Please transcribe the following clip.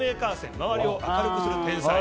周りを明るくする天才。